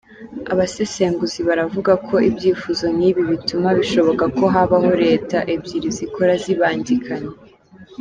Abasesenguzi baravuga ko ibyifuzo nk'ibi bituma bishoboka ko habaho leta ebyiri zikora zibangikanye.